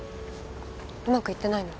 うまくいってないの？